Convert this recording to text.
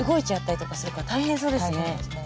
大変ですね。